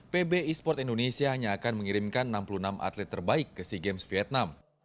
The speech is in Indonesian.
pb e sport indonesia hanya akan mengirimkan enam puluh enam atlet terbaik ke sea games vietnam